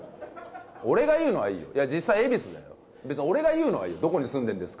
俺が言うのはいいよ、実際恵比寿だよ、俺が言うのはいい、どこに住んでるんですか。